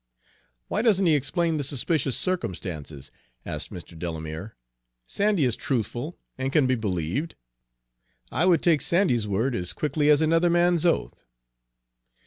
"Why doesn't he explain the suspicious circumstances?" asked Mr. Delamere. "Sandy is truthful and can be believed. I would take Sandy's word as quickly as another man's oath."